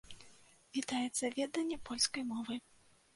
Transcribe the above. Вітаецца веданне польскай мовы.